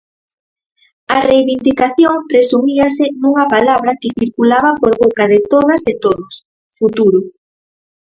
A reivindicación resumíase nunha palabra que circulaba por boca de todas e todos: futuro.